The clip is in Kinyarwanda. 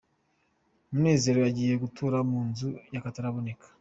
Munezero agiye gutura mu nzu y’akataraboneka